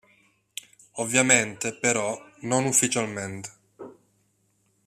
Ovviamente, però, non ufficialmente.